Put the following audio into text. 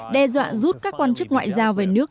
đe dọa rút các quan chức ngoại giao về nước